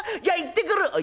じゃ行ってくる」。